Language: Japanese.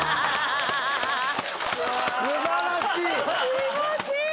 気持ちいい。